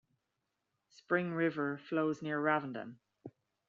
Spring River flows near Ravenden.